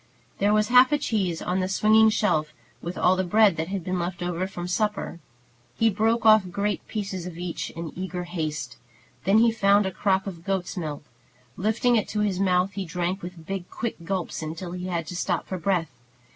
There was half a cheese on the swinging shelf, with all the bread that had been left from supper. He broke off great pieces of each in eager haste. Then he found a crock of goat's milk. Lifting it to his mouth, he drank with big, quick gulps until he had to stop for breath.